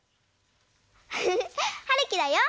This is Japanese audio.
フフはるきだよ。